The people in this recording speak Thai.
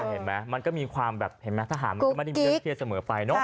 เห็นไหมมันก็มีความแบบเห็นไหมทหารมันก็ไม่ได้มีเรื่องเครียดเสมอไปเนอะ